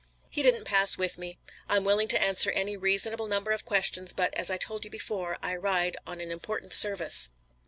"He didn't pass with me. I'm willing to answer any reasonable number of questions, but, as I told you before, I ride on an important service.